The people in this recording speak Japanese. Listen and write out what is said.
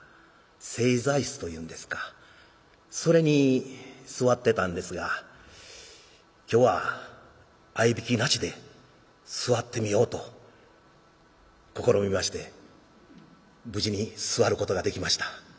正座椅子というんですかそれに座ってたんですが今日は合曳なしで座ってみようと試みまして無事に座ることができました。